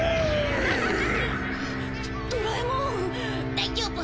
大丈夫。